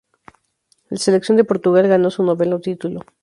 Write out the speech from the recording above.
La selección de Portugal ganó su noveno título.